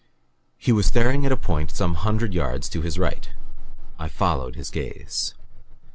He was staring at a point some hundred yards to his right. I followed his gaze.